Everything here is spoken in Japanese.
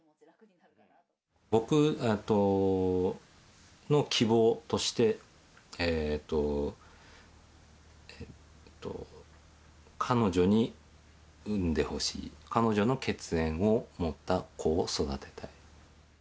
僕の希望として、彼女に産んでほしい、彼女の血縁を持った子を育てたい。